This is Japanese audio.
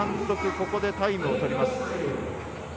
ここでタイムを取ります。